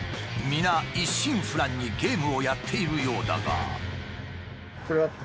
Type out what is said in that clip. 皆一心不乱にゲームをやっているようだが。